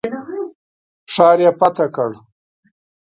ښار یې فتح کړ.